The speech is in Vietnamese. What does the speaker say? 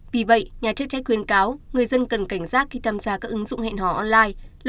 vì vậy nhà chức trách khuyên cáo người dân cần cảnh giác khi tham gia các ứng dụng hẹn hò online